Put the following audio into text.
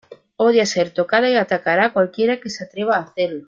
Odia ser tocada y atacará a cualquiera que se atreva a hacerlo.